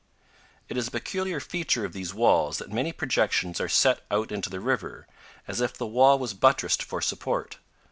It is a peculiar feature of these walls that many projections are set out into the river, as if the wall was buttressed for support.